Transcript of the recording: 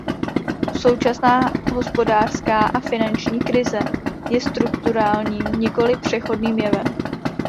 Současná hospodářská a finanční krize je strukturálním, nikoli přechodným jevem.